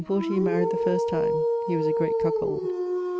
1640, maried the first time. He was a great cuckold.